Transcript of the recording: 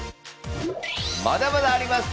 まだまだあります。